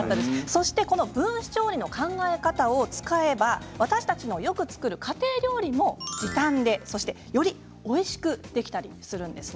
そして、この分子調理の考え方を使えば私たちのよく作る家庭料理も時短で、よりおいしくできたりするんです。